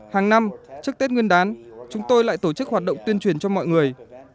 hàng năm trước tết nguyên đán chúng tôi lại tổ chức hoạt động tuyên truyền cho mọi người